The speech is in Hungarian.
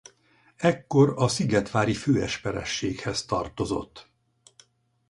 Ekkor a szigetvári főesperességhez tartozott.